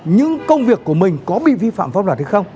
những công việc của mình có bị vi phạm pháp luật